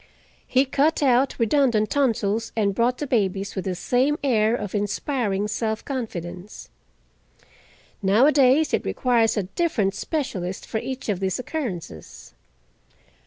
He cut out redundant tonsils and brought the babies with the same air of inspiring self confidence. Nowadays it requires a different specialist for each of these occurrences.